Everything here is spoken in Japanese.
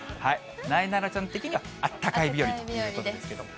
なえなのちゃん的にはあったかい日和ですけども。